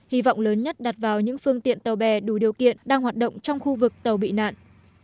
hy vọng lớn nhất đặt vào những phương tiện tàu bè đủ điều kiện đang hoạt động trong khu vực tàu bị nạn